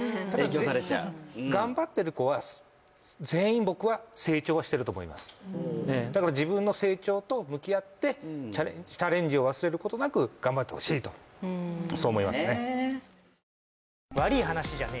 影響されちゃう頑張ってる子は全員僕は成長はしてると思いますだから自分の成長と向き合ってチャレンジを忘れることなく頑張ってほしいとそう思いますね